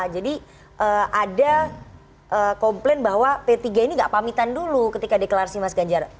jadi ada komplain bahwa p tiga ini nggak pamitan dulu ketika deklarasi mas ganjar